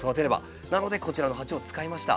なのでこちらの鉢を使いました。